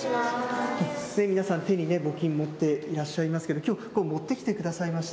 皆さん、手に募金持っていらっしゃいますけれども、きょう、持ってきてくださいました。